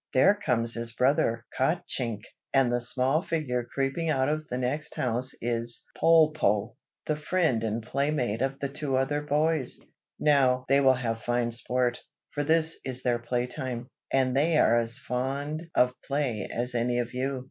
There comes his brother Kotchink, and the small figure creeping out of the next house is Polpo, the friend and playmate of the two other boys. Now they will have fine sport, for this is their play time, and they are as fond of play as any of you."